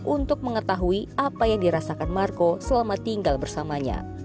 untuk mengetahui apa yang dirasakan marco selama tinggal bersamanya